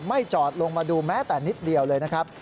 จอดลงมาดูแม้แต่นิดเดียวเลยนะครับ